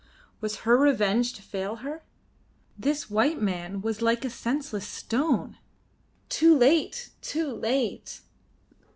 Was her revenge to fail her? This white man was like a senseless stone. Too late! Too late!